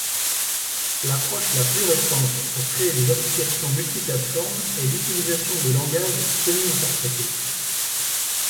L’approche la plus récente pour créer des applications multiplateformes est l’utilisation de langages semi-interprétés.